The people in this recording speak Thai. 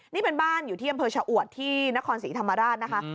นี่เป็นบ้านอยู่ที่อำเภอชะอวดที่นครศรีธรรมราชนะคะ